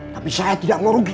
tapi saya tidak mau rugi